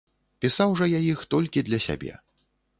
Пісаў жа я іх толькі для сябе.